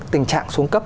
tình trạng xuống cấp